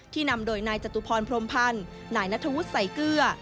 นำโดยนายจตุพรพรมพันธ์นายนัทธวุฒิใส่เกลือ